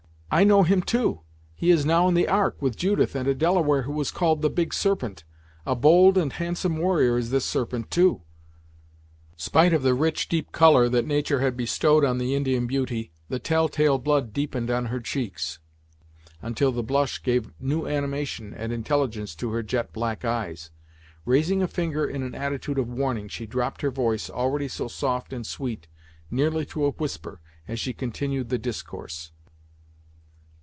"I know him, too. He is now in the Ark, with Judith and a Delaware who is called the Big Serpent. A bold and handsome warrior is this Serpent, too!" Spite of the rich deep colour that nature had bestowed on the Indian beauty, the tell tale blood deepened on her cheeks, until the blush gave new animation and intelligence to her jet black eyes. Raising a finger in an attitude of warning, she dropped her voice, already so soft and sweet, nearly to a whisper, as she continued the discourse.